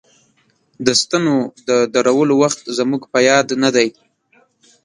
د ستنو د درولو وخت زموږ په یاد نه دی.